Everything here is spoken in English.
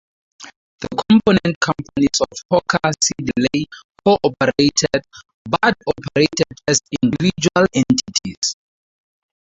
The component companies of Hawker Siddeley co-operated, but operated as individual entities.